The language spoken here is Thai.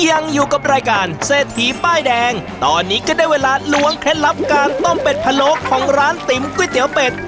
ยังอยู่กับรายการเศรษฐีป้ายแดงตอนนี้ก็ได้เวลาล้วงเคล็ดลับการต้มเป็ดพะโลกของร้านติ๋มก๋วยเตี๋ยวเป็ด